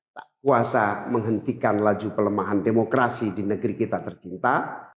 tak kuasa menghentikan laju pelemahan demokrasi di negeri kita tercinta